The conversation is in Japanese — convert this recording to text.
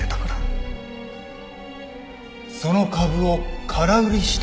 その株を空売りした！？